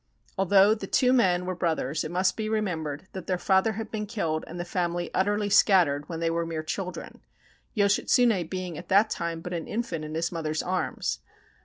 Although the two men were brothers, it must be remembered that their father had been killed, and the family utterly scattered, when they were mere children, Yoshitsune being at that time but an infant in his mother's arms.